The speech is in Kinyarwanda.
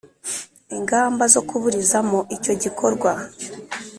ingamba zo kuburizamo icyo gikorwa.